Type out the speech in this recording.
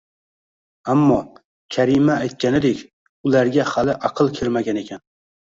Ammo, Karima aytganidek, ularga hali aql kirmagan ekan